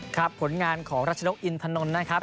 ครับผลงานของรัชนกอินทนนะครับ